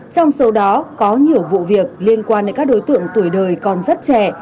trong số đó có nhiều vụ việc liên quan đến các đối tượng tuổi đời còn rất trẻ